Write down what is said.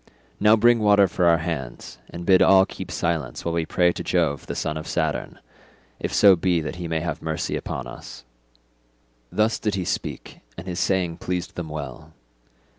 Now bring water for our hands, and bid all keep silence while we pray to Jove the son of Saturn, if so be that he may have mercy upon us." Thus did he speak, and his saying pleased them well.